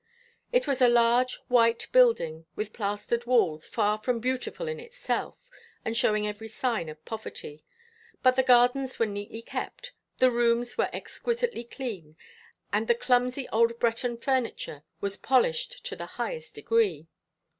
It was a large white building, with plastered walls, far from beautiful in itself, and showing every sign of poverty; but the gardens were neatly kept, the rooms were exquisitely clean, and the clumsy old Breton furniture was polished to the highest degree.